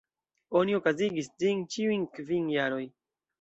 Oni okazigis ĝin ĉiujn kvin jaroj.